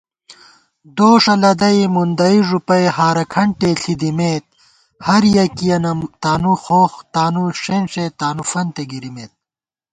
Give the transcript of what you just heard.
دوݭہ لدَئی مُندَئی ݫُپَئی ہارہ کھنٹےݪِی دِمېت * ہر یَکِیَنہ تانُو خوخ تانُو ݭېنݭےتانُوفنتےگِرِمېت